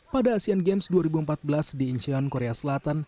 pada asean games dua ribu empat belas di incheon korea selatan